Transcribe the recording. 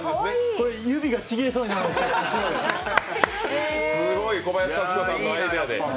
これ、指がちぎれそうになる小林幸子さんのアイデアで。